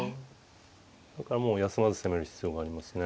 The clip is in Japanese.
だからもう休まず攻める必要がありますね。